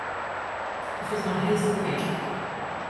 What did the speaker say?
It was on Hazel Creek.